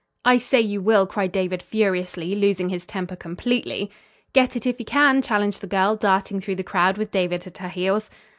"I say you will," cried David, furiously, losing his temper completely. "Get it if you can!" challenged the girl, darting through the crowd with David at her heels.